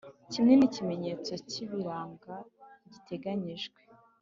kimwe n'ikimenyetso kibiranga giteganyijwe